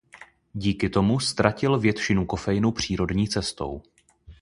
Díky tomu ztratil většinu kofeinu přírodní cestou.